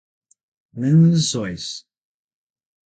Lençóis